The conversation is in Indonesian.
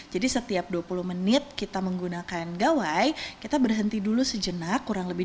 jadi setiap dua puluh menit kita menggunakan gawai kita berhenti dulu sejenak